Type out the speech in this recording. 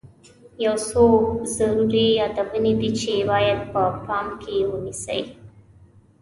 یو څو ضروري یادونې دي چې باید په پام کې ونیسئ.